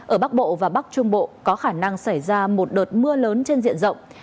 ở bắc bộ và bắc trung bộ có khả năng xảy ra một đợt mưa lớn trên diện rộng